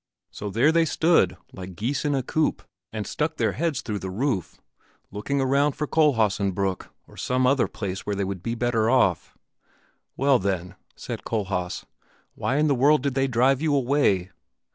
So there they stood like geese in a coop, and stuck their heads through the roof, looking around for Kohlhaasenbrück or some other place where they would be better off." "Well then," said Kohlhaas, "why in the world did they drive you away?"